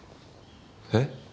えっ？